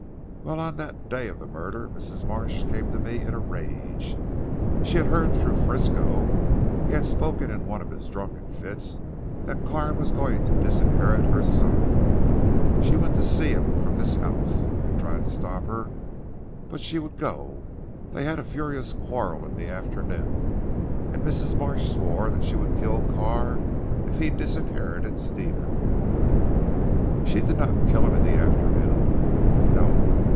"Well, on that day of the murder Mrs. March came to me in a rage. She had heard through Frisco he had spoken in one of his drunken fits that Carr was going to disinherit her son. She went to see him from this house. I tried to stop her; but she would go. They had a furious quarrel in the afternoon, and Mrs. Marsh swore that she would kill Carr if he disinherited Stephen." "She did not kill him in the afternoon?" "No.